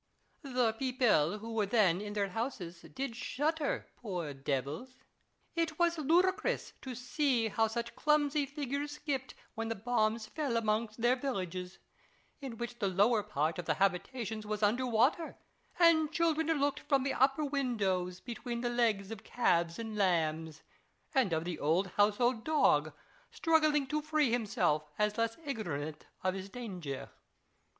The people who were then in their houses did shudder, poor devils ! It was ludicrous to see how such clumsy figures skipped, when the bombs fell among their villages, in which the lower part of the habitations was under water ; and children looked from the upper windows, between the legs of calves and lambs, and of the old house hold dog, struggling to free himself, as less ignorant of his danger.